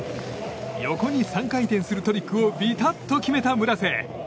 横に３回転するトリックをビタッと決めた村瀬。